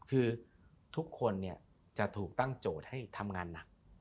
คือทุกคนจะถูกตั้งโจทย์ให้ทำงานหนัก